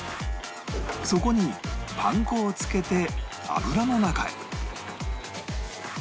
そこにパン粉をつけて油の中へ